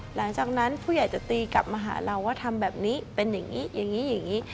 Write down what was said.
หลังจากนั้นผู้ใหญ่จะตีกลับมาหาเราว่าทำแบบนี้เป็นอย่างนี้อย่างนี้อย่างนี้